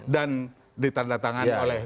dan ditandatangani oleh lima belas